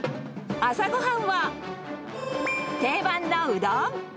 朝ごはんは、定番のうどん。